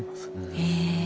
へえ。